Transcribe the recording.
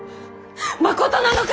まことなのか！